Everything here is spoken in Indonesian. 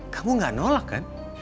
kamu gak nolak kan